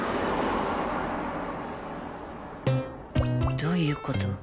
どういうこと？